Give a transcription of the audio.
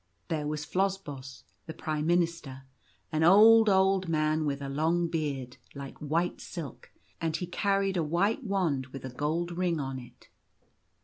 There was Phlosbos, the Prime Minister, an old, old man with a long beard like white silk, and he carried a white wand with a gold ring on it.